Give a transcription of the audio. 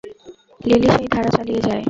Linyi সেই ধারা চালিয়ে যায়।